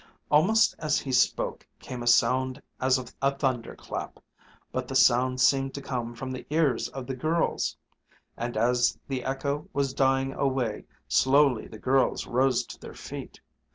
Almost as he spoke came a sound as of a thunder clap, but the sound seemed to come from the ears of the girls. And as the echo was dying away, slowly the girls rose to their feet.